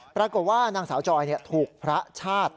ปรากฏว่านางสาวจอยถูกพระชาติ